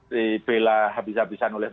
dibela habis habisan oleh